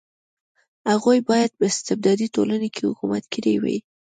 هغوی باید په استبدادي ټولنه کې حکومت کړی وای.